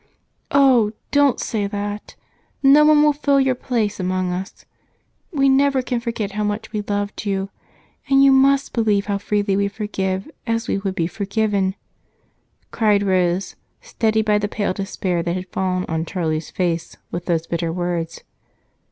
"Oh, don't say that! No one will find your place among us we never can forget how much we loved you, and you must believe how freely we forgive as we would be forgiven," cried Rose, steadied by the pale despair that had fallen on Charlie's face with those bitter words.